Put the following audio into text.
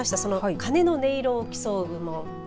鐘の音色を競う部門。